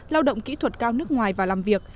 lao động kỹ thuật cao nước ngoài vào làm việc